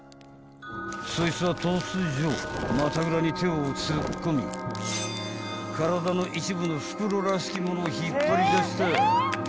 ［そいつは突如股ぐらに手を突っ込み体の一部の袋らしきものを引っ張り出した］